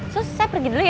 sus saya pergi dulu ya